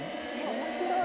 面白い。